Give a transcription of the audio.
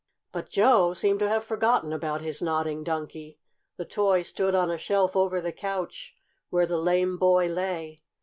But Joe seemed to have forgotten about his Nodding Donkey. The toy stood on a shelf over the couch where the lame boy lay.